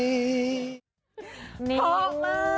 พร้อมมาก